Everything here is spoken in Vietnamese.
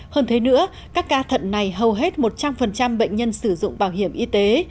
hơn thế nữa các ca thận này hầu hết một trăm linh bệnh nhân sử dụng bảo hiểm y tế